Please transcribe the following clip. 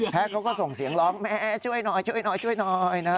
เขาก็ส่งเสียงร้องแม่ช่วยหน่อยช่วยหน่อยช่วยหน่อยนะ